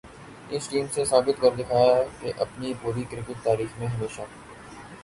اس team نے ثابت کر دکھایا کہ اپنی پوری کرکٹ تاریخ میں ہمیشہ